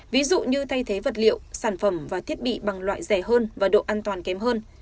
ví dụ như thay thế vật liệu sản phẩm và thiết bị bằng loại rẻ hơn và độ an toàn kém hơn